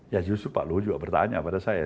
ya justru pak luhut juga bertanya pada saya